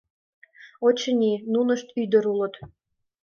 Очыни, нунышт ӱдыр улыт.